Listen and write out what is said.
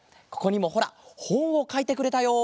ここにもほらほんをかいてくれたよ！